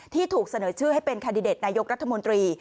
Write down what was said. ที่ถูกเสนอชื่อให้เป็นคันดิเดตนายกรัฐมนตรี